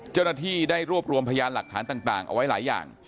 เจ้าหน้าที่ได้รวบรวมพยานหลักฐานต่างเอาไว้หลายอย่าง